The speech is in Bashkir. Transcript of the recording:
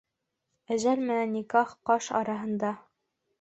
Әжәл менән никах ҡаш араһында.